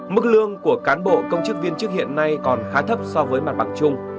mức lương của cán bộ công chức viên chức hiện nay còn khá thấp so với mặt bằng chung